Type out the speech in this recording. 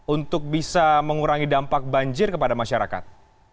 untuk bisa mengurangi dampak banjir kepada masyarakat